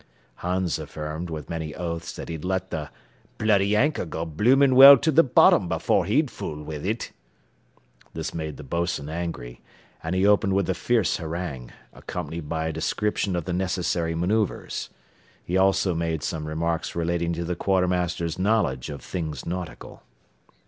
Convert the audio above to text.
Hans affirmed, with many oaths, that he'd let the "bloody hancor go bloomin' well to the bottom before he'd fool wid it." This made the bos'n angry, and he opened with a fierce harangue, accompanied by a description of the necessary manoeuvres. He also made some remarks relating to the quartermaster's knowledge of things nautical.